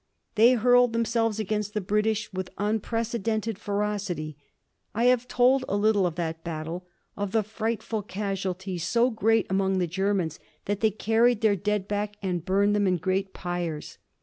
They hurled themselves against the British with unprecedented ferocity. I have told a little of that battle, of the frightful casualties, so great among the Germans that they carried their dead back and burned them in great pyres.